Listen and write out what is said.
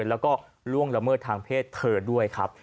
แล้วก็ล่วงละเมิดทางเพศเธอด้วยครับ